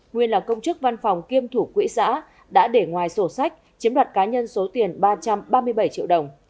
nguyên là công chức văn phòng kiêm thủ quỹ xã đã để ngoài sổ sách chiếm đoạt cá nhân số tiền ba trăm ba mươi bảy triệu đồng